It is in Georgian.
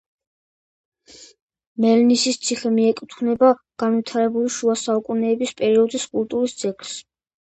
მელნისის ციხე მიეკუთვნება განვითარებული შუა საუკუნეების პერიოდის კულტურის ძეგლს.